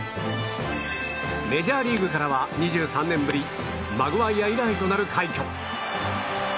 メジャーリーグからは２３年ぶりマグワイア以来となる快挙。